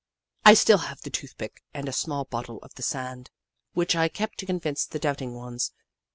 I still have the tooth pick and a small bottle of the sand, which I kept to convince the doubting ones.